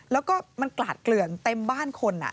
แล้วก็มันกลาดเกลื่อนเต็มบ้านคน